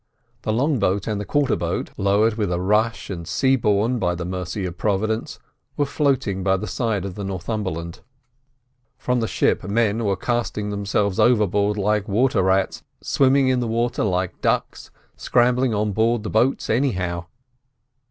The long boat and the quarter boat, lowered with a rush and seaborne by the mercy of Providence, were floating by the side of the Northumberland. From the ship men were casting themselves overboard like water rats, swimming in the water like ducks, scrambling on board the boats anyhow.